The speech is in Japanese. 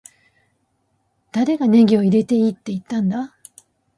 誰がネギを入れていいって言ったんだ